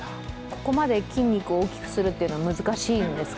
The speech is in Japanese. ここまで筋肉を大きくするのは難しいんですか？